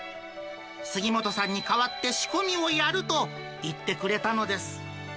杉本さんに代わって仕込みをやると、言ってくれたのです。